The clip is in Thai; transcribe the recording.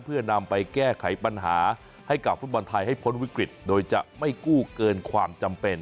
เพื่อนำไปแก้ไขปัญหาให้กับฟุตบอลไทยให้พ้นวิกฤตโดยจะไม่กู้เกินความจำเป็น